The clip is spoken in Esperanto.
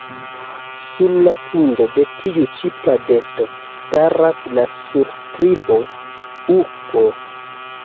Sur la fundo de tiu ĉi pladeto staras la surskribo « U. K. »